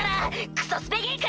クソスペギーク！